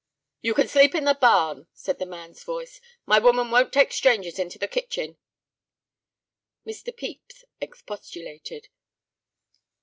"You can sleep in the barn," said the man's voice. "My woman won't take strangers into the kitchen." Mr. Pepys expostulated.